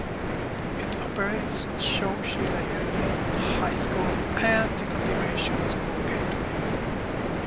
It operates Chowchilla Union High School and the continuation school Gateway.